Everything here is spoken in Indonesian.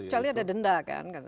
kecuali ada denda kan